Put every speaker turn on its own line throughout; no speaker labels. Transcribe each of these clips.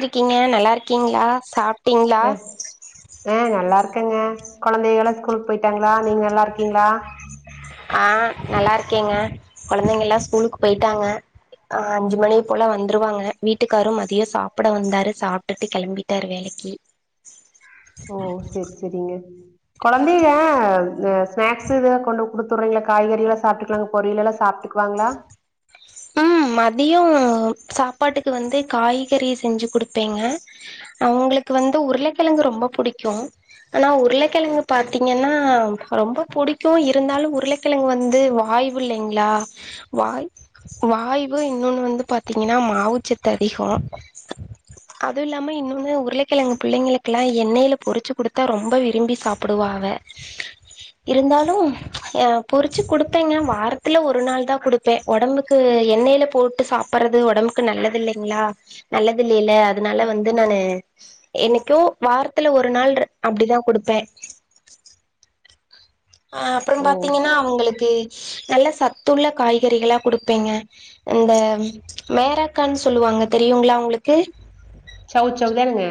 இருக்கீங்க நல்லா இருக்கீங்களா சாப்
உம் ஹ நல்லா இருக்கு ங்க கொழந்தைகளா ஸ்கூலுக்கு போயிட்டாங்களா நீங்க நல்லா இருக்கீங்களா
ஆ நல்லா இருக்கேங்க கொழந்தைங்க எல்லா ஸ்கூலுக்கு போயிட்டாங்க ஆ அஞ்சு மணிக்கு போல வந்துருவாங்க வீட்டுக்காரு மதியோ சாப்ட வந்தாரு சாப்ட்டுட்டு கெளம்பிட்டாரு வேலை கி
ஓ செர் செரிங்க கொழந்தைங்க ஸ்நாக்ஸ் இத கொண்டு குடுத்துடுறீங்களா காய்கறி எல்லா சாப்ட்டுக்குங்கலா பொரியல் எல்லா சாப் டுவாங்களா
உம் மதியோ சாப்பாட்டுக்கு வந்து காய்கறி செஞ்சு குடுப்பேங்க அவுங்களுக்கு வந்து உருளக்கிழங்கு ரொம்ப புடிக்கு ஆனா உருள்ளக்கிழங்கு பாத்தீங்கென்னா ரொம்ப பிடிக்கு இருந்தாலு உருளக்கிழங்கு வந்து வா ய்வு இல்லைங்களா வாய் வாய்வு இன்னொன்னு வந்து பாத்தீங்கன்னா மாவுச்சத்து அதிகோ அதுவுல்லாம இன்னொன்னு உருளைக்கிலங் பிள்ளைங்களுக்குல்லா எண்ணெய்ல பொறிச்சி குடுத்தா ரொம்ப விரும்பி சாப்புடுவா அவ இருந்தாலும் அ பொரிச்சக குடுப்பேங்க வாரத்துல ஒரு நாள் தா கொடுப்பே ஒடம்புக் கு எண்ணெயில போட்டு சாப்பறது ஒடம்புக்கு நல்லது இல்லைங்ளா நல்லது இல்லைல்ல அதனால வந்து நா னு என்னைகோ வாரத்துல ஒரு நாள் அப்டிதா குடுப்பே அ அப்றோம்
ஓ
பார்த்தீங்கன்னா அவுங்ளுக்கு நல்ல சத்துள்ள காய்கறிகளா குடுப்பேங்க இந்த மேராக்கான் சொல்லுவாங் அவுங்க தெரியுங்ளா உங்ளுக்கு
சவு சவு தானுங்க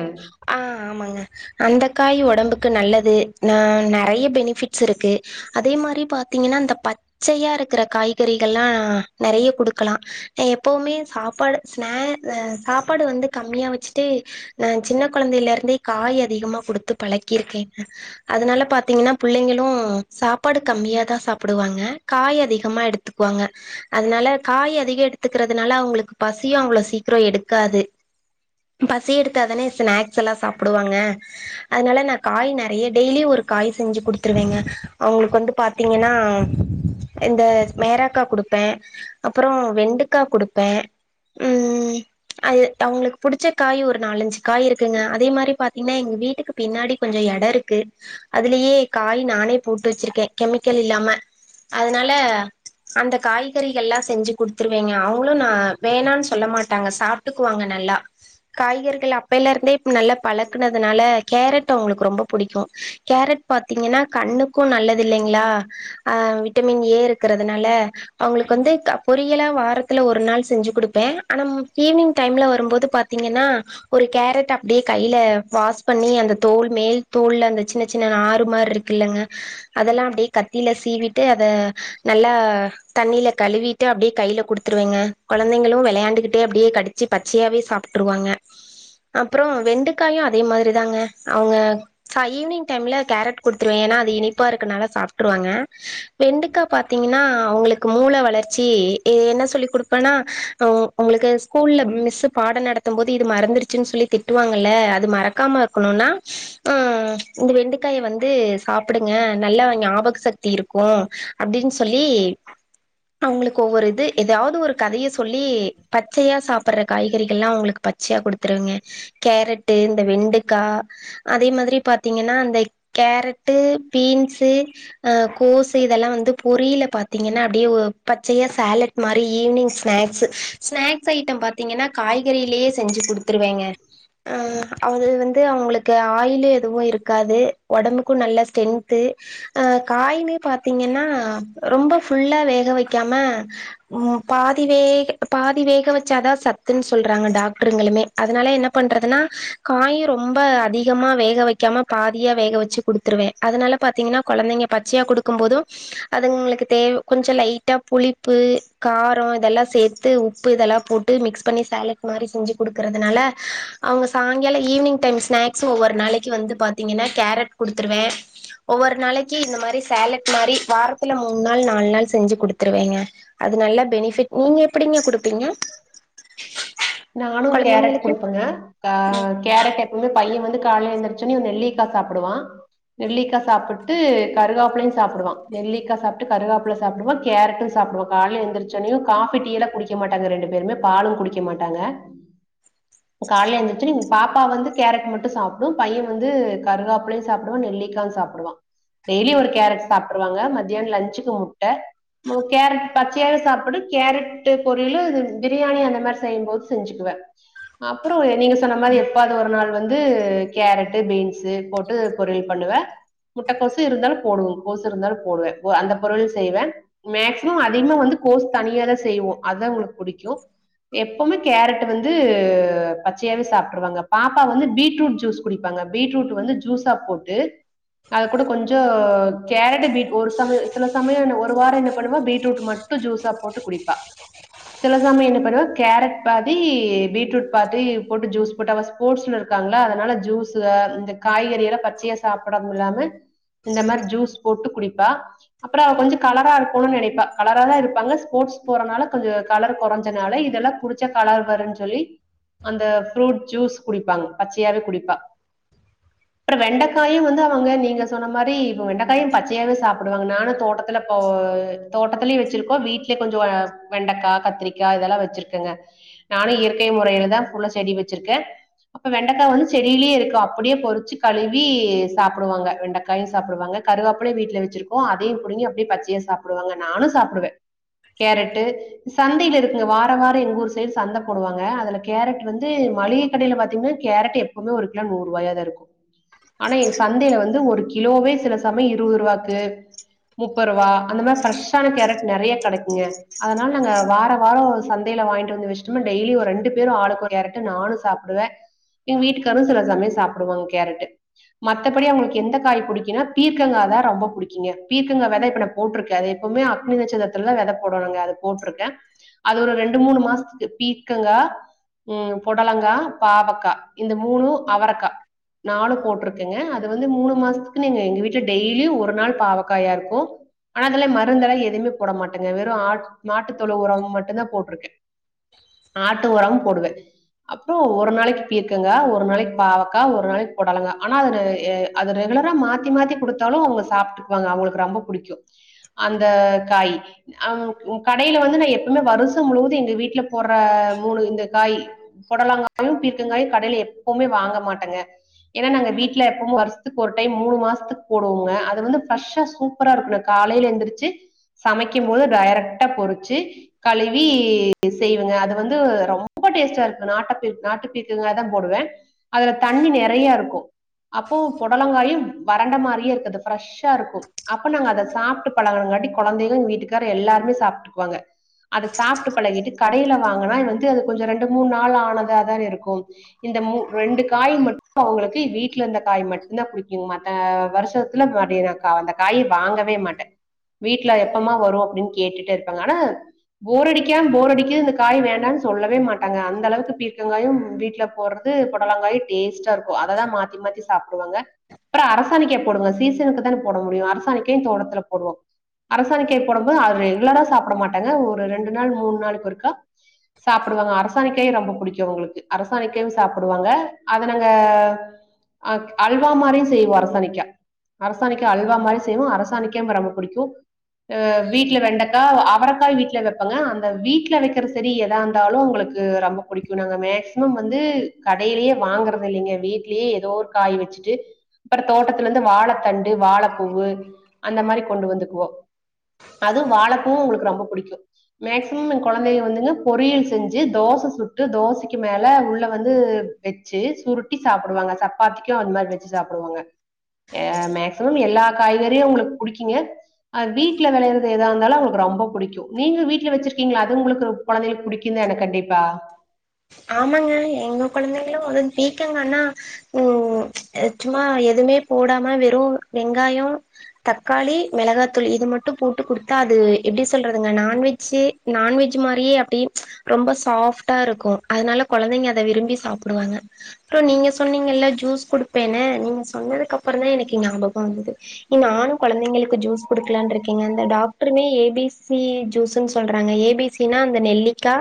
ஆமாங்க அந்த காய் ஒடம்புக்கு நல்லது நா நெறைய பெனிஃபிட் சுருக்கு அதே மாரி பாத்தீங்கன்னா அந்த பச்சையா இருக்குற காய்கறிகள்லா நெறைய குடுக் கலா எப்போமே சாப்பாடு ஸ்னே சாப்பாடு வந்து கம்மியா வெச்சிட்டு நா சின்ன கொழந்தையிலருந்தே காய் அதிகமா குடுத்து பழக்கிருக்கேங்க அதனால பாத்தீங்கன்னா புள்ளைங்களு னு சாப்பாடு கம்மிய தா சாப்டுவாங் காய் அதிகமா எடுத்துக்குவாங்க அதனால கா காய் அதிகோ எடுத்துக்கறதுனால அவுங்களுக்கு பசியு அவ்ளோ சீக்கிரோ எடுக்காது பசி எடுத்தாதானே ஸ்நாக்ஸ் எல்லா சாப்புடுவாங்க அதனால நா காய் நெறைய டெய்லி ஒர் காய் செஞ்சி குடுத்துருவேங்க அவுங்ளுக் வந்து பாத்தீங்கன்னா இந்த மேரக்கா குடுப்பே அப்புறோ வெண்டுக்கா குடுப்பே ம் அது அவுங்ளுக் புடிச்ச காய் ஒரு நாலஞ்சி காய் இருக்குங்க அதே மாரி பாத்தீங்கன்னா எங்க வீட்டுக்கு பின்னாடி கொஞ்சோ எடருக்கு அதுலயே காய் நானே போட்டு வெச்சிருக்கே கெமிக்கல் இல்லாம அதனால அந்த காய்கறிகள்ல்லா செஞ்சி குடுத்துருவேங்க அவுங்களு நா வேணாமன் சொல்ல மாட்டாங்க சாப்ட்டுக்குவாங்க ந நல்லா காய்கறிகள்ல அப்பைல்லருந்தே நல்லா பழக்குனதுனால கேரட்டு அவுங்களுக்கு ரொம்ப புடிக்கு கேரட் பாத்தீங்கன்னா கண்ணுக்கு நல்லது இல்லைங்களா அ விட்டமின் ஏ இருக்கிறதுனால அவுங்ளுக் வந்து த பொரியல வாரத்துல ஒரு நாள் செஞ்சி குடுப்பே ஆனா ஈவினிங் டைம்ல வரும்போது பாத்தீங்கன்னா னா ஒரு கேரட்ட அப்டியே கைல வாஷ் பண்ணி அந்த தோல் மேல் தோல்ல அந்த சின்ன சின்ன நார் ரு மார்ருக்குலங்க அதெல்லா அப்டியே கத்தில சீவிட்டு அத நல்லா தண்ணிலக் கலுவிட்டு அப்டியே கையில குடுத்துருவேங்க கொழந்தைங்களு விளையாண்டுகிட்டே அப்டியே கடிச்சி பச்சையாவே சாப்ட்டுருவாங்க அப்புறோ வெண்டுக்காயு அதே மாதிரி தாங்க அவுங்க ச ஈவினிங் டைம்ல கேரட் குடுத்துருவே ஏன்னா அது இனிப்பா இருக்கனால சாப்ட்டுருவாங்க வெண்டுக்கா பாத்தீங்கன்னா அவங்ளுக்கு மூள வள ளர்ச்சி ஏ என்ன சொல்லி குடுப்பன்னா உங்களுக்கு ஸ்கூல்ல மிஸ்ஸு பாடோ நடத்தும் போது இது ம மறந்துச்சின்னு சொல்லி திட்டுவாங்கல்ல அது மறக்காம இருக்கணுன்னா ம் இந்த வெண்டக்காய வந் து சாப்டுங்க நல்லா ஞாபக சக்தி இருக்கு அப்டின் சொல்லி அவுங்ளுக்கு ஒவ்வொரு இது எதையாவ்து ஒரு கதைய சொல்லி பச்சையா சாப்பற்ற காய்கறிகெள்லா அவுங்களுக்கு பச்சையா குடுத்துருவேங்க கேரட்டு இந்த வெண்டக்கா அதே மாதிரி பாத்தீங்கன்னா அந்த கேரட்டு பீன்ஸு அ கோசு இதெல்லா வந்து பொரியில பாத்தீங்கன்னா அப்டியே ஒ பச்சைய சோலட் மாரி ஈவினிங் ஸ்நேக்ஸு ஸ்நேக்ஸ் ஐட்டம் பாத்தீங்கன்னா காய் கறிலேயே செஞ்சி குடுத்துருவேங்க அ அவுங்கள் வந்து அவுங்ளுக்கு ஆயிலே எது இருக்காது ஒடம்புக்கு நல்ல ஸ்ட்ரென்து அ காயுமே பாத்தீங்கன்னா ரொம்ப ஃபுல்லா வேக் க வெக்காம ம் பாதி வேக பாதி வேக வெச்சாதா சத்துன் சொல்றாங்க டாக்ட்ரு ருங்ளுமே அதனால என்ன பண்றதுனா காயு ரொம்ப அதிகமா வேக வெக்காம பாதியா வேக வெச்சி குடுத்துருவே அதனால பாத்தீங்கன்னா கொழந்தைங்க பச்சையா குடுக்கும் போது அதுங்ளுக்கு தேவ் கொஞ்சல் லைட்டா புளிப்பு காரம் இதெல்லா சேத்து உப்பு இதெல்லா போட்டு மிக்ஸ் பண்ணி சேலட் மாரி செஞ்சி குடுக்கறதுனால அவுங்க சாய்ங்கால ஈவ்னிங் டைம் ஸ்நேக்ஸு ஒவ்வொரு நாளைக்கு வந்து பாத்தீங்கன்னா கேரட் குடுத்துருவே ஒவ்வொரு நாளைக்கி இந்த மாரி சேலட் மாரி வாரத்துல மூணு நாள் நாலு நாள் செஞ்சு குடுத்துருவேங்க அத் அது நல்லா பெனிஃபிட் நீங்க எப்டிங்க கொடுப்பீங்க
நானு கேரட் கொடுப்பங்க கா கேரட் எப்பவுமே பைய வந் து காலைல எந்திருச்சோன்னே ஒரு நெல்லிக்கா சாப்டுவா நெல்லிக்கா சாப்புட்டு கருகாப்பலையு சாப்டுவா நெல்லிக்கா சாப்புட்டு கருகாப்பலையு கேரட்டு சாப் டுவா காலைல எந்திருச்சவொனே காபி டீயெல்லா குடிக்க மாட்டாங்க ரெண்டு பேருமே பாலு குடிக்க மாட்டாங்க காலைய எந்துரிச்சோனே பாப்பா வந்து கேரட் மட்டு சாப்டு பைய வந்து கருகாப்பிலையு சாப்டுவா நெல்லிக்கா சா சாப்டுவா டெய்லி ஒரு கேரட் சாப்ட்ருவாங்க மத்தியான லன்ச்சுக்கு முட்ட மு கேரட் பச்சையாவே சாப்டு கேரட்டு பொரியிலு பிரியாணி அந்த மாரி செய்யும்போது செஞ்சுக்குவே அப்றோ நீங்க சொன்ன மாரி எப்பாது ஒரு நாள் வந்து கேரட்டு பீ ன்ஸு போட்டு பொரியல் பண்ணுவே முட்ட கோசு இருந்தாலு போடு கோஸு இருந்தாலு போடுவே அந்த பொருள் செய்வே மேக்சிமம் அதிகமா வந்து கோஸ் தனியாதா செய்வோ அதுதா இவுங்களுக்கு புடிக்கு எப்பவுமே கேரட் வந்து பச்சையாவே சாப்ட்ருவாங்க பாப்பா வந்து பீட்ரூட் ஜூஸ் குடிப்பாங்க பீட்ரூட் வந்து ஜூஸா போட்டு அது கூட கொஞ்ச கேரட் பீட் ஒரு சமய சில சமய எ ஒரு வார என்ன பண்ணுவோ பீட்ரூட் மட் டு ஜூஸா போட்டு குடிப்பா சிலசமயோ என்ன பண்ணுவ கேரட் பாதி பீட்ரூட் பாதி போட்டு ஜூஸ் போட்டு அவ ஸ்போர்ட்ஸ்ல இருக்காங்களா அதனால ஜூஸு இந்த காய்கறி எல்லா பச்சையா சாப்டுட இல்லாம இந்த மாரி ஜூஸ் போட்டு குடிப்பா அப்றோ அவ கொஞ்சோ கலரா இருக்குனு நனப்பா கலரா தா இருப்பாங்க ஸ்போட் ஸ் போறனால கொஞ்ச கலர் கொறஞ்சனால இதெல்லா குடிச்சா கலர் வருன்னு சொல்லி அந்த ஃப்ரூட் ஜூஸ் குடிப்பாங்க பச்சையாவே குடிப்பா அப்றோ வெண்டைக்காயு வந்து அவங்க நீங்க சொன்ன மாரி இப்போ வெண்டைக்காயு பச்சையாவே சாப்டுவாங்க நானு தோட்டத்துல போ போ தோட்டத்திலயு வச்சிருக்கோ வீட்லயே கொஞ்ச வெண்டக்கா கத்திரிக்கா இதெல்லா வச்சிருக் குங்க நானு இயற்கை முறையில தா ஃபுல்லா செடி வச்சிருக்கே அப்ப வெண்டைக்கா வந்து செடியிலயே இருக்கா அப்படியே பொறிச்சு கழுவி சாப்டுவாங்க வெண்டைக்காயு சாப்டுவாங்க கருவோப்லையு வீட்ல வச்சிருக்கோ அதையு புடுங்கி அப்டியே பச்சையா சாப்டுவாங்க நானு சாப்டுவே கேரட்டு சந்தையில இருக்குங்க வார வார எங்ஊர் சைட் சந்தை போடுவாங்க அதுல கேரட் வந்து மளிகை கடைல பாத்தீங்கன்னா கேரட் எப்பவுமே ஒரு கிலோ நூற் வயாதா இருக்கு ஆனா எங் சந்தையில வந்து ஒரு கிலோவே சில சமய இருவ ரூவாக்கு முப்ப ரூபா அந்த மாரி ஃப்ரெஷ்ஷான கேரட் நெறையா கடைக்குங்க அதனால நாங்க வாரவார சந் யல வாங்கிட்டு வந்துச்ட் டெய்லி ஒரு ரெண்டு பேர ஆளுக்கொரு கேரட்டு நானும்மே சாப்டுவே எங்க வீட்டுக்காரு சில சமய சாப்டுவாங்க கேரட்டு மத்தபடி அவங்களுக்கு எந்த காய் புடிக்குன்னா பீர்கங்கா தா ரொம்ப புடிக்குங்க பீர்கங்கா வெதை இப்ப நா போட்ருக்க அத வுமே அக்னி்நட்சதத்த வெதை போடனுங்க அது போட்ருக்கே அது ஒரு ரெண்ட் ரெண்டு மூணு மாசத்துக்கு பீக்கங்கா ம் புடலங்கா பாவக்கா இந்த மூணு அவரக்கா நாலு போட்ருக்கங்க அது வந்து மூணு மாசத்துக்கு நீங்க எங்க வீட்ல டெய்லியு ஒரு நாள் பாவக்காயா இருக்கு ஆனா அதுல மருந்தெல்லா எதுமே போட மாட்டேங்க வெறு மாட்டுத்தொழு உரம் மட்டுும்தா போட்ருக்கே ஆட்டு உரம் போடுவே அப்றோ ஒரு நாளைக்கு பீர்கக்கங்க ஒரு நாளைக் பாவக்கா ஒரு நாளைக் பொடலங்கா ஆனா அது அது ரெகு எல்லரா மாத்தி மாத்தி கொடுத்தாலு அவங்க சாப்ட்டுக்குவாங்க அவங்களுக்கு ரொம்ப புடிக்கு அந்த காய் ஆ கடையில வந்து நா எப்பமே வருசம் முழுவது வீட்ல போற மூணு இந்த காய் புடலாங்காயு பீர்கங்காயு கடையில எப்பவுமே வாங்க மாட்டேங்க ஏன்னா நாங்க வீட்ல எப்பவும் வருஷத்துக்கு ஒரு மூணு மாசத்துக்கு போடும்வங்க அது வந்து ஃப்ரஷ்ஷா சூப்பரா இருக்கு காலையில எந்திரச்சு சமைக்கும் போது டைரக்ட்டா பொறிச்சு கழுவி செய்வேங்க அது வந்து ரொம்ப டேஸ்டா இருக்கு நாட்டப்பீ நாட்டுப்பீக்கங்கா தான் போடுவேன் அதுல தணி தண்ணி நிறைய இருக்கும் அப்போ புடலங்காயும் வறண்ட மாதிரியே இருக்குது ப்ரெஷ்ஷா இருக்கும் அப்போ நாங்க அத சாப்ட்டு பழகுற துக்காட்டி குழந்தைக வீட்டுக்கார் எல்லாருமே சாப்ட்டுக்குவாங்க அத சாப்ட்டு பழகிட்டு கடையில வாங்குனா அது வந்து அது கொஞ்சம் ரெண்டு மூணு நாள் ஆனதா தான இருக்கும் இந்த மூ ரெண்டு காய் மட்டும் அவுங்களுக்கு வீட்ல இருந்த காய் மட்டும் தான் பிடிக்கும் மத்த வருஷத்து விளையிற அந்த காய் வாங் வாங்கவே மாட்டேன் வீட்ல எப்பமா வரும் அப்படின்னு கேட்டுட்டு இருப்பாங்க ஆனா போரடிக்கான் போரடி இந்த காய் வேண்டான்னு சொல்லவே மாட்டாங்க அந்த அளவுக்கு பீர்கங்காயும் வீட்டுல போடுறது புடலங்காயும் டேஸ்டா இரு ஓ அத தா மாத்தி மாத்தி சாப்டுவாங்க அப்புறம் அரசாணிக்கை போடுவோங்க சீசனுக்கு தானே போட முடியும் அரசாணிக்கையும் தோட்டத்துல போடுவோம் அரசாணிக்கை போடும் போது அவர் ரெகுலரா சாப்பிட மாட்டங்க ஒரு ரெண்டு நாள் மூணு நாளுக்கு ஒருக்கா சாப்டுவாங்க அரசாணைக்கு ரொம்ப பிடிக்கும் உங்களுக்கு அரசாணிக்கையும் சாப்டுவாங்க அத நாங்க அஹ் அல்வா மாரியும் செய்வோ அரசானிக்கா அரசாணிக்க அல்வா மாதிரி செய்வோம் அரசாணிக்கம் ரொம்ப பிடிக்கும் அஹ் வீட்டுல வெண்டக்கா அவரைக்காய் வீட்டுல வைப்பங்க அந்த வீட்டுல வைக்க வைக்குறது சேரி எதா இருந்தாலும் உங்களுக்கு ரொம்ப பிடிக்கும் நாங்க மேக்சிமம் வந்து கடையிலயே வாங்குறது இல்லைங்க வீட்லயே ஏதோ ஒரு காய் வச்சுட்டு அப்புறம் தோட்டத்துல இருந்து வாழைத்தண்டு வாழைப்பூவு அந்த மாதிரி கொண்டு வந்துக்குவோம் அதுவும் வாழ பூவும் எங்களுக்கு ரொம்ப பிடிக்கும் மேக்சிமம் என் குழந்தையும் வந்துங்க பொரியல் செஞ்சு தோசை சுட்டு தோசைக்கு மேல உள்ள வந்து வச்சு சுருட்டி சாப்டுவாங்க சப்பாத்திக்கும் அந்த மாரி வச்சு சாப்டுவாங்க அஹ் மேக்சிமம் எல்லா காய்கறியும் உங்களுக்கு புடிக்குங்க அது வீட்ல விளையிறது எதா இருந்தாலும் அவுங்களுக்கு ரொம்ப பிடிக்கும் நீங்க வீட்ல வச்சிருக்கீங்களா அது உங்களுக்கு ரொம் அப்ப கொழந்தைகள் புடிக்கும் தான கண்டிப்பா
ஆமாங்க எங்க கொழந்தைங்களும் அ பீ மித்தவுங்கன்னா உஹம் சும்மா எதுவுமே போடாம வெறும் வெங்காயம் தக்காளி மிளகாத்தூள் இது மட்டும் போட்டு குடுத்தா அது எப்படி சொல்றதுங்க நான்வெஜ்ஜி நான்வெஜ் பஞ்ச் மாதிரியே அப்படி ரொம்ப சாஃப்டா இருக்கும் அதனால குழந்தைங்க அத விரும்பி சாப்பிடுவாங்க அப்புறம் நீங்க சொன்னீங்கல்ல ஜூஸ் குடுப்பேன்னு நீங்க சொன் னதுக்கு அப்புறம் தான் எனக்கே ஞாபகம் வந்நது நானும் குழந்தைங்களுக்கு ஜூஸ் கொடுக்கலாம் இருக்கேங்க அந்த டாக்டருமே ஏபிசி ஜூஸ்ன்னு சொல்றாங்க ஏபிசினா அந்த நெல்லிக்கா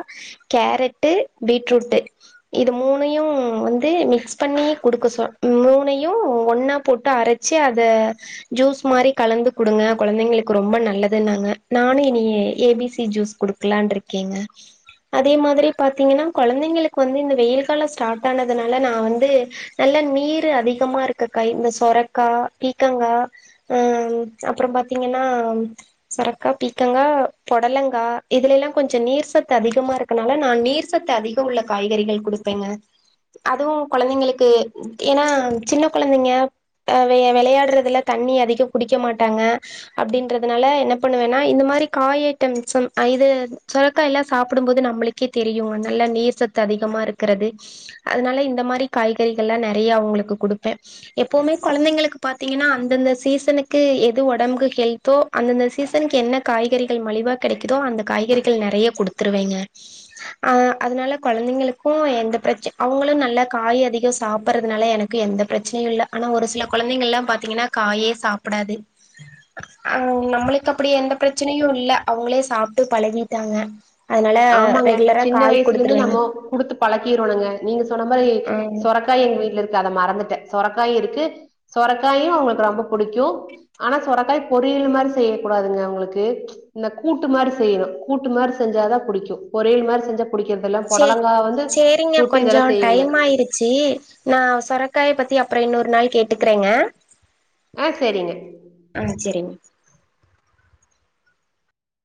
கேரட்டு பீட்ரூட்டு இது மூணையும் வந்து மிக்ஸ் பண்ணி குடுக்க சொ மூணையும் ஒன்னா போட்டு அரச்சி அத ஜூஸ் மாதிரி கலந்து குடுங்க குழந்தைங்களுக்கு ரொம்ப நல்லதுன்னா ங்க நானும் இனி ஏபிசி ஜூஸ் கொடுக்கலான்னு இருக்கேங்க அதே மாதிரி பாத்தீங்கன்னா கொழந்தைங்களுக்கு வந்து இந்த வெயில் காலம் ஸ்டார்ட் ஆனதுனால நா வந்து நல்ல நீர் அதிகமா இருக்க காய் இந்த சொரக்கா பீக்கங்கா அப்புறம் பாத்தீங்கன்னா சொ ரக்கா பீக்கங்கா பொடலங்கா இதுல எல்லாம் கொஞ்சம் நீர் சத்து அதிகமா இருக்கனால நா நீர் சத்து அதிகம் உள்ள காய்கறிகள் கொடுப்பேங்க அதுவும் குழந்தைங்களுக்கு ஏன்னா சின்ன குழந்தைங்க விளையாடுறதுல தண்ணி அதிகம் குடிக்க மாட்டாங்க அப்படின்றதுனால என்ன பண்ணுவேனா இந்த மாதிரி காய் ஐட்டம்ஸ் ஐ இது சுரக்கா எல்லாம் சாப்டும்போது நம்மளுக்கே தெரி தெரியும் நல்ல நீர்சத்து அதிகமா இருக்குறது அதனால இந்த மாதிரி காய்கறிகள்லா நிறைய அவுங்களுக்கு கொடுப்பேன் எப்பவுமே குழந்தைங்களுக்கு பாத்தீங்கன்னா அந்தந்த சீசனுக்கு எது உடம்புக்கு ஹெல்தோ அந்த அந்தந்த சீசனுக்கு என்ன காய்கறிகள் மலிவா கிடைக்குதோ அந்த காய்கறிகள் நிறைய குடுத்துருவேங்க ஆஹ் அதனால குழந்தைங்களுக்கும் எந்த பிரச்ச அவங்களும் நல்லா காய் அதிகம் சாப்பிட்றதுனால எனக்கு எந்த பிரச்சனை இல்ல ஆனா ஒரு சில குழந்தைகள் எல்லாம் பா்த்தீங்கன்னா காயே சாப்பிடாது நம்மளுக்கு அப்படி எந்த பிரச்சனையும் இல்லை அவுங்களே சாப்பிட்டு பழகிட்டாங்க அதனால
ஆமாங்க
ரெகுலரா
சின்ன
காய்
வயசுல இருந்து
குடுத்துருவேங்க
நம்மோ குடுத்து பழக்கிறோனுங்க நீங்க சொன்ன மாரி
ஆ
சொரக்கா எங்க வீட்டுல இருக்கு அத மறந்துட்டே சொரக்காயு இருக்கு சொரக்காயும் அவங்களுக்கு ரொம்ப புடிக்கு ஆனா செரக்காய் பொறி பொறியல் மாரி செய்யக்கூடாதுங்க அவுங்களுக்கு இந்த கூட்டு மாரி செய்யணு கூட்டு மாரி செஞ்சாதா புடிக்கு பொறியல் மாரி செஞ்ச
சே சேரிங்க கொஞ்சோ
இதெல்லா செய்வங்க
டைம் ஆயிருச்சி நா சொர காய பத்தி அப்புறோ இன்னொரு நாள் கேட்டுக்கறேங்க
ஆ சேரிங்க